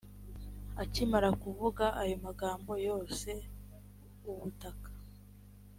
akimara kuvuga ayo magambo yose ubutaka